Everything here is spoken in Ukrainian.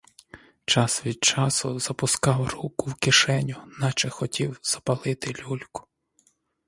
Час від часу запускав руку в кишеню, наче хотів запалити люльку.